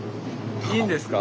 いいんですか？